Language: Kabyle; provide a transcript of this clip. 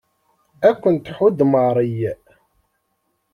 Ad ken-tḥudd Mary.